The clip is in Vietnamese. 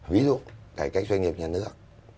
ví dụ cải cách doanh nghiệp nhà nước